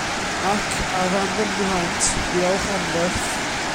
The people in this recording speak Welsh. Ac, ar ran fy mhlant, diolch anferth.